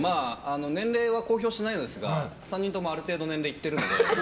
年齢は公表してないのですが３人ともある程度、年齢いってるので。